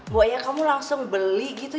buaya kamu langsung beli gitu